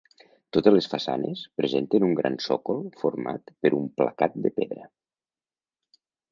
Totes les façanes presenten un gran sòcol format per un placat de pedra.